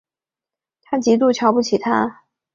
她极度瞧不起他